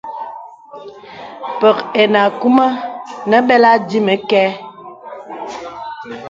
Pə̀k enə akūmà nə bəlà dimi kɛ.